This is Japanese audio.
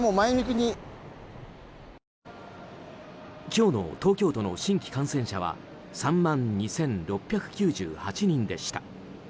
今日の東京都の新規感染者は３万２６９８人でした。